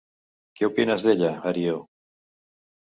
Què opines d'ella, Ario?